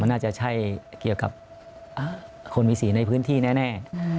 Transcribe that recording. น่าจะใช่เกี่ยวกับคนมีสีในพื้นที่แน่